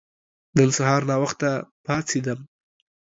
نن سهار ناوخته پاڅیدم.